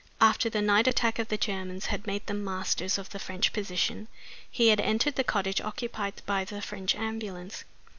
After the night attack of the Germans had made them masters of the French position, he had entered the cottage occupied by the French ambulance.